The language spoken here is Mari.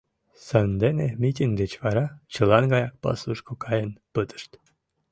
Сандене митинг деч вара чылан гаяк пасушко каен пытышт.